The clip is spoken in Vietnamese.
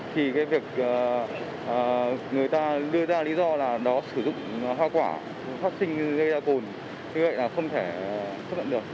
thì cái việc người ta đưa ra lý do là nó sử dụng hoa quả phát sinh gây ra cồn chứ vậy là không thể chấp nhận được